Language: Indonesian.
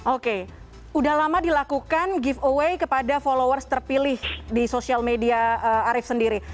oke udah lama dilakukan giveaway kepada followers terpilih di sosial media arief sendiri